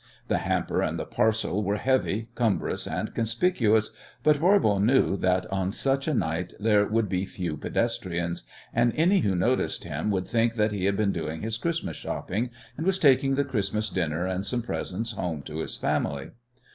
The hamper and the parcel were heavy, cumbrous and conspicuous, but Voirbo knew that on such a night there would be few pedestrians, and any who noticed him would think that he had been doing his Christmas shopping, and was taking the Christmas dinner and some presents home to his family.